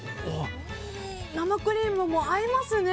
生クリームも合いますね。